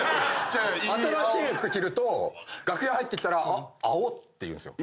新しい服着ると楽屋入ってきたら「青っ！」って言うんですよ。